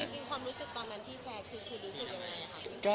จริงความรู้สึกตอนนั้นที่แชร์คือรู้สึกยังไงครับ